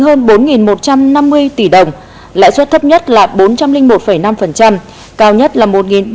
tiền thu lợi bất chính là bốn một trăm năm mươi tỷ đồng lãi suất thấp nhất là bốn trăm linh một năm cao nhất là một ba trăm bảy mươi chín bảy